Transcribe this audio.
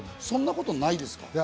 そんなことないですか？